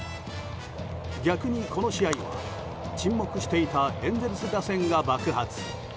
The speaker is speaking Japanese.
逆に、この試合は沈黙していたエンゼルス打線が爆発。